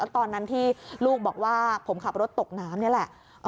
ตอนนั้นที่ลูกบอกว่าผมขับรถตกน้ำนี่แหละ